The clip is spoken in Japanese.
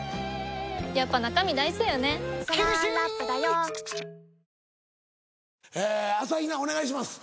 ニトリ朝比奈お願いします。